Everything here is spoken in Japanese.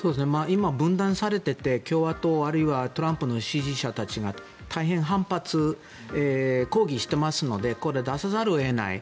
今、分断されていて共和党、あるいはトランプの支持者たちが大変反発、抗議してますのでこれ、出さざるを得ない。